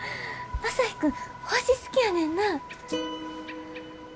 朝陽君星好きやねんな。